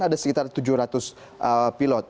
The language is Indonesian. ada sekitar tujuh ratus pilot